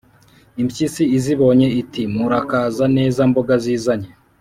impyisi izibonye iti « murakaza neza mboga zizanye!»